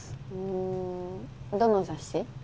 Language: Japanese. ふんどの雑誌？